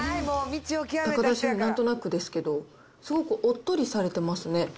高田シェフ、なんとなくですけど、すごくおっとりされてますね。